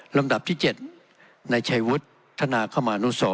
ลำดับที่เจ็ดในชายวุฒิธนาคมานุสร